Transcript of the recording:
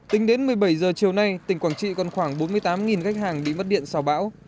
tính đến một mươi bảy h chiều nay tỉnh quảng trị còn khoảng bốn mươi tám khách hàng bị mất điện sau bão